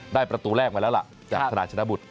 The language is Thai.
ได้ประตูแรกมาแล้วล่ะจากธนาชนบุทธ์